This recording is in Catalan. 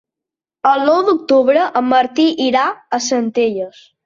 El nou d'octubre en Martí irà a Centelles.